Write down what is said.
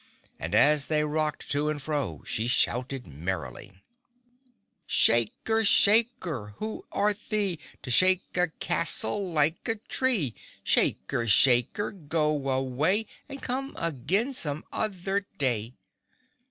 And as they rocked to and fro she shouted merrily: "Shaker! Shaker! Who art thee, To shake a castle like a tree? Shaker! Shaker! Go away And come again some other day!"